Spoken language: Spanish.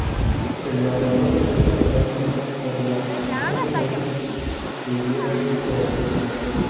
El narrador expresa lástima por la "gente tensa" que "viaje durante el día".